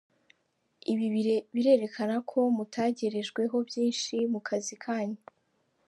Ibi birerekana ko mutegerejweho byinshi mu kazi kanyu”.